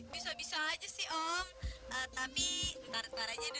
bisa bisa aja sih om tapi ntar ntar aja deh